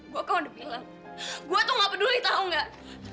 gue kan udah bilang gue tuh gak peduli tau gak